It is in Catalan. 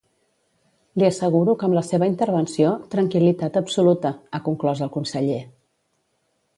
"Li asseguro que amb la seva intervenció, tranquil·litat absoluta", ha conclòs el conseller.